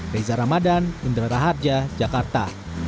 reza ramadan indra raharja jakarta